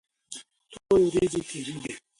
تورې ورېځې تیریږي.